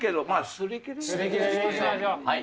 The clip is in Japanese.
すり切れにしましょう。